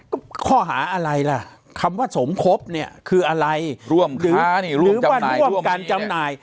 ก็ข้อหาอะไรล่ะคำว่าสมครบเนี้ยคืออะไรร่วมค้านี่ร่วมจำหน่าย